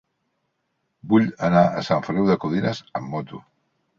Vull anar a Sant Feliu de Codines amb moto.